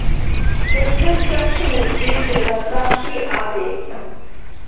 This construction is due to Hisashi Abe.